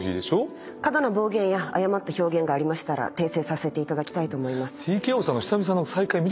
過度な暴言や誤った表現がありましたら訂正させていただきたいと思います。